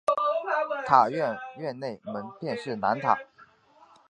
塔院院门内便是南塔。